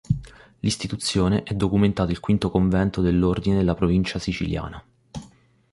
L'istituzione è documentata il Vº convento dell'Ordine della provincia siciliana.